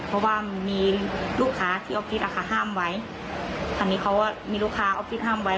เพราะว่ามีลูกค้าที่ออฟฟิศอ่ะค่ะห้ามไว้อันนี้เขาว่ามีลูกค้าออฟฟิศห้ามไว้